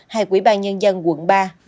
hay quỹ ban nhân dân quận ba